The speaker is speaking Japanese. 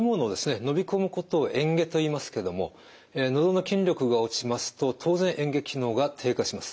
飲み込むことを嚥下といいますけどものどの筋力が落ちますと当然嚥下機能が低下します。